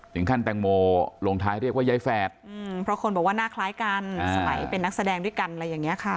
แตงโมลงท้ายเรียกว่ายายแฝดเพราะคนบอกว่าหน้าคล้ายกันสมัยเป็นนักแสดงด้วยกันอะไรอย่างนี้ค่ะ